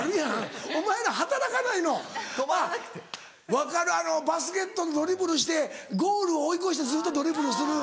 分かるあのバスケットのドリブルしてゴールを追い越してずっとドリブルする。